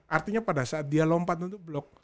artinya pada saat dia lompat untuk blok